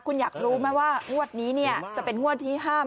คุณอยากรู้ไหมว่างวดนี้จะเป็นงวดที่๕